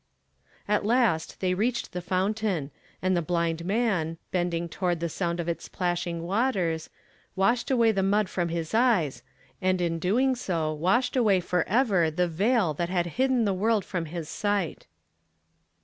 At last they reached the fountain ; and the blind man, bending toward the sound of its plashing waters, washed away the mud from his ej'cs, and in doing so washed away forever the veil that had hidden the world from his sight.